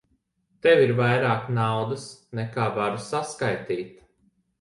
Te ir vairāk naudas, nekā varu saskaitīt.